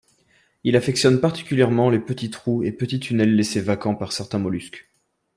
Il affectionne particulièrement les petits trous et petits tunnels laissés vacant par certains mollusques.